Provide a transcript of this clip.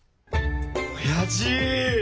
おやじ！